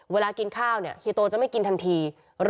เวลากินข้าวเนี่ยเฮียโตจะไม่กินทันที